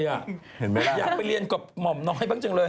เห็นไหมล่ะอยากไปเรียนกับหม่อมน้อยบ้างจังเลย